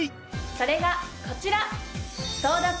それがこちら！